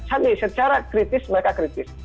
kami secara kritis mereka kritis